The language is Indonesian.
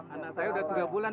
anak saya udah tiga bulan